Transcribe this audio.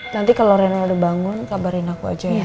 nanti kalo rena udah bangun kabarin aku aja ya